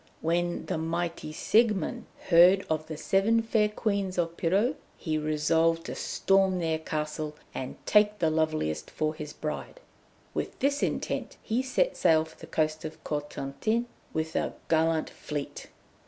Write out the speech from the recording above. When the mighty Siegmund heard of the Seven Fair Queens of Pirou, he resolved to storm their castle and take the loveliest for his bride. With this intent he set sail for the coast of Cotentin with a gallant fleet.